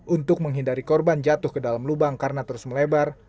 untuk menghindari korban jatuh ke dalam lubang karena terus melebar